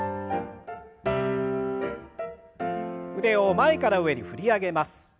腕を前から上に振り上げます。